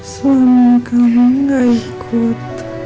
suami kamu gak ikut